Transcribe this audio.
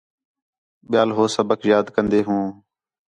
ٻِیال ہو سبق یاد کندے ہوں